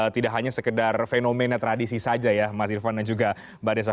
tidak hanya sekedar fenomena tradisi saja ya mas irvan dan juga mbak desa